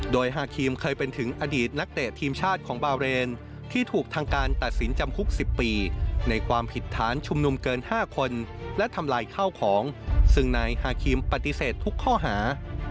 โดยฮาครีมเคยเป็นถึงอดีตนักเตะทีมชาติของบาเรนที่ถูกทางการตัดสินจำคุก๑๐ปีในความผิดฐานชุมนุมเกิน๕คนและทำลายข้าวของซึ่งนายฮาครีมปฏิเสธทุกข้อหา